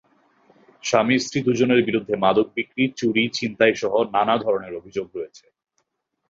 স্বামী-স্ত্রী দুজনের বিরুদ্ধে মাদক বিক্রি, চুরি, ছিনতাইসহ নানা ধরনের অভিযোগ রয়েছে।